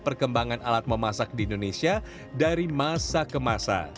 perkembangan alat memasak di indonesia dari masa ke masa